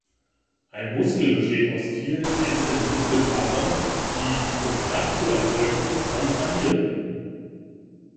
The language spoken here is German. Ein Muskel besteht aus vielen einzelnen Muskelfasern, die um Kraft zu erzeugen kontrahieren.